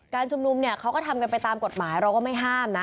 ชุมนุมเนี่ยเขาก็ทำกันไปตามกฎหมายเราก็ไม่ห้ามนะ